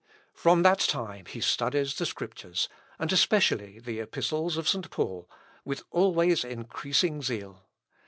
From that time he studies the Scriptures, and especially the Epistles of St. Paul, with always increasing zeal.